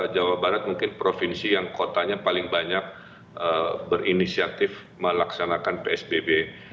jawa barat mungkin provinsi yang kotanya paling banyak berinisiatif melaksanakan psbb